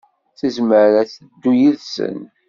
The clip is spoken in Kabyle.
Tezmer ad teddu yid-sen.